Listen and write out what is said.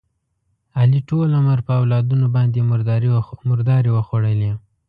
علي ټول عمر په اولادونو باندې مردارې وخوړلې.